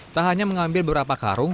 tak hanya mengambil beberapa karung